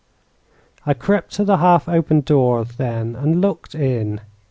I crept to the half opened door, then, and looked in.